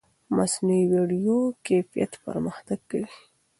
مصنوعي ویډیو کیفیت پرمختګ کوي.